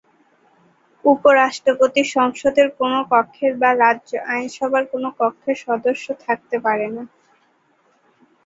উপরাষ্ট্রপতি সংসদের কোনো কক্ষের বা রাজ্য আইনসভার কোনো কক্ষের সদস্য থাকতে পারেন না।